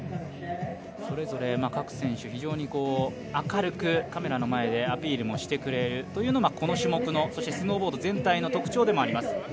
それぞれ各選手、明るくカメラの前でアピールもしてくれるというのがこの種目の、そしてスノーボード全体の特徴でもあります。